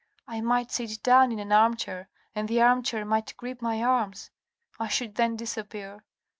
" I might sit down in an armchair, and the armchair might grip my arms : I should then disappear.